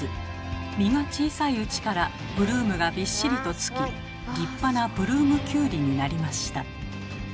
実が小さいうちからブルームがびっしりと付き立派なブルームキュウリになりました。